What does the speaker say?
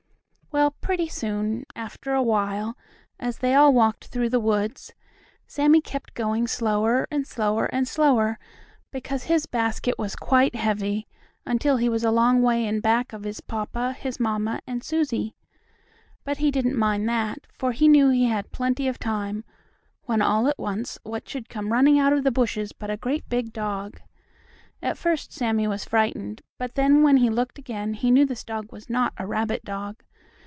Well, pretty soon, after a while, as they all walked through the woods, Sammie kept going slower and slower and slower, because his basket was quite heavy, until he was a long way in back of his papa, his mamma and Susie. But he didn't mind that, for he knew he had plenty of time, when all at once what should come running out of the bushes but a great big dog. At first Sammie was frightened, but then when he looked again he knew the dog was not a rabbit dog.